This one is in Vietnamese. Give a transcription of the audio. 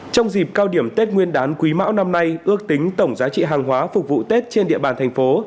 trong dịp cao điểm tết nguyên đán quý mão năm nay ước tính tổng giá trị hàng hóa phục vụ tết trên địa bàn thành phố